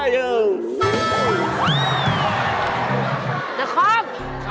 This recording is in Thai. เด็กคอม